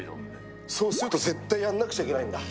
そうすると絶対やんなくちゃいけないんだ。